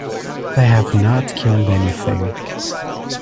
I have not killed anything.